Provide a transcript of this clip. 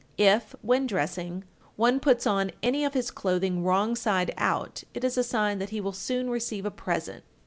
If, when dressing, one puts on any of his clothing wrong side out, it is a sign that he will soon receive a present.